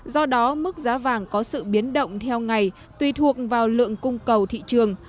do đó mức giá vàng có sự biến động theo ngày tùy thuộc vào lượng cung cầu thị trường